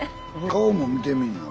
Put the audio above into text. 顔も見てみいな。